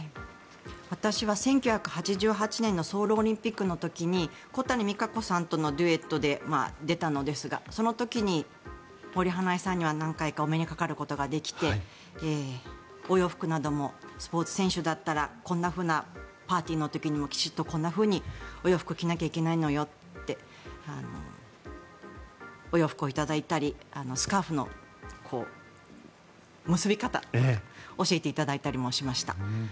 私は１９８８年のソウルオリンピックの時に小谷実可子さんとのデュエットで出たのですがその時に森英恵さんには何回かお目にかかることができてお洋服などもスポーツ選手だったらこんなふうなパーティーの時にもきちんとこんなふうにお洋服着なきゃいけないのよってお洋服を頂いたりスカーフの結び方を教えていただいたりもしました。